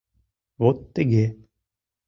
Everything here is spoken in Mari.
— Вот тыге.